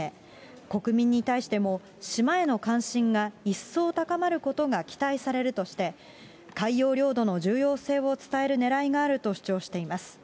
国民に対しても、島への関心が一層高まることが期待されるとして、海洋領土の重要性を伝えるねらいがあると主張しています。